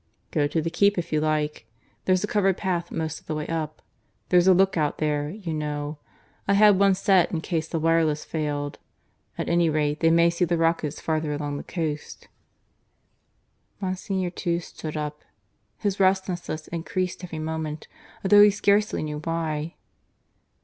"Go up to the keep, if you like. There's a covered path most of the way up. There's a look out there, you know. I had one set in case the wireless failed. At any rate, they may see the rockets farther along the coast." Monsignor too stood up. His restlessness increased every moment, although he scarcely knew why.